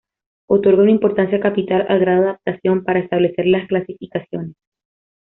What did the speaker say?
Otorga una importancia capital al grado de adaptación para establecer las clasificaciones.